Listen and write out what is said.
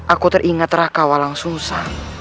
aku teringat raka walang susah